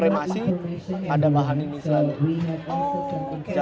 remasi ada bahan ini selalu